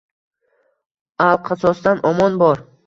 Alqasosdan omon bor.